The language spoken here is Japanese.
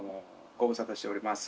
ご無沙汰しております。